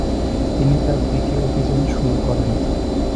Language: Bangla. তিনি তার দ্বিতীয় অভিযান শুরু করেন।